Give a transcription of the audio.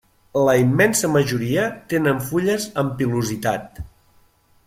La immensa majoria tenen fulles amb pilositat.